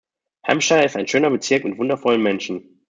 Hampshire ist ein schöner Bezirk mit wundervollen Menschen.